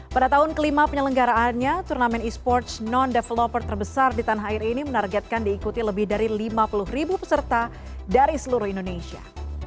pada tahun kelima penyelenggaraannya turnamen e sports non developer terbesar di tanah air ini menargetkan diikuti lebih dari lima puluh ribu peserta dari seluruh indonesia